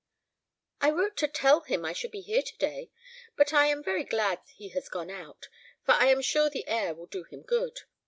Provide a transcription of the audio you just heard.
"I wrote to tell him I should be here to day, but I am very glad he has gone out, for I am sure the air will do him good.